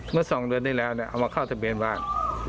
เมื่อ๒เดือนที่แล้วเอามาเข้าทะเบียนบ้าน